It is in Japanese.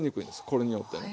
これによって。